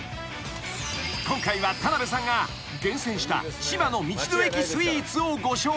［今回は田辺さんが厳選した千葉の道の駅スイーツをご紹介］